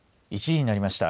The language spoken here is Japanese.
１時になりました。